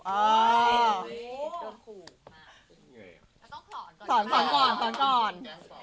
อ้าวต้องคลอนก่อน